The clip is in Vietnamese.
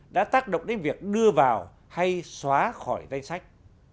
đã tác động đến việc đưa vào hay xóa khỏi tay sách